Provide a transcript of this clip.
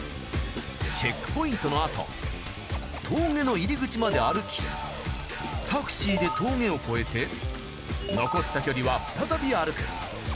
チェックポイントのあと峠の入り口まで歩きタクシーで峠を越えて残った距離は再び歩く。